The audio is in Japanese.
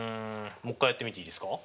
もう一回やってみていいですか？